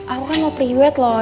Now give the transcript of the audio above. aku kan mau priwet loh